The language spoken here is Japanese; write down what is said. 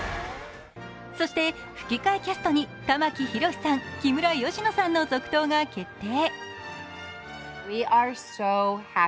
そして、吹き替えキャストに玉木宏さん、木村佳乃さんの続投が決定。